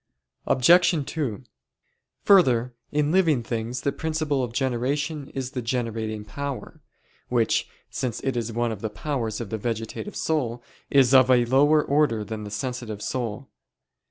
Obj. 2: Further, in living things the principle of generation is the generating power; which, since it is one of the powers of the vegetative soul, is of a lower order than the sensitive soul.